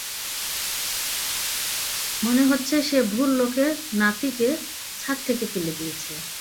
মনে হচ্ছে সে ভুল লোকের নাতিকে ছাদ থেকে ফেলে দিয়েছে।